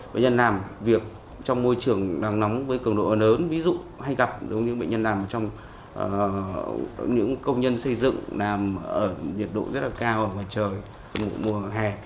bệnh nhân làm việc trong môi trường nắng nóng với cường độ lớn ví dụ hay gặp những bệnh nhân làm trong những công nhân xây dựng làm ở nhiệt độ rất là cao ở ngoài trời mùa hè